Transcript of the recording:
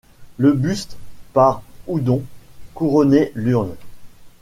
Le buste par Houdon couronnait l’urne.